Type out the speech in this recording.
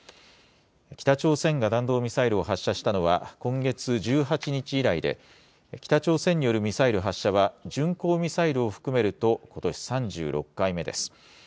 北朝鮮が弾道ミサイルを発射したのは今月１８日以来で、北朝鮮によるミサイル発射は、巡航ミサイルを含めるとことし３６回目です。